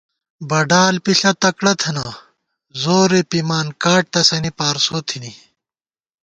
بڈال پِݪہ تکڑہ تھنہ، زورےپِمان کاٹ تسَنی پارسوتھنی